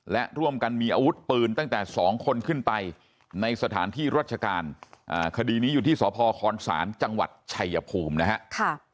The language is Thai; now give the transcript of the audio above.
และร่วมกันมีอาวุธปืนตั้งแต่๒คนขึ้นไปในสถานที่รัชการคดีนี้อยู่ที่สพคศจังหวัดชัยภูมินะฮะ